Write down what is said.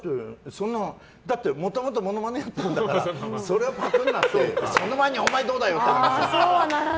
だって、もともとモノマネやってるんだからそれをパクるなってその前に、お前はどうだよって話。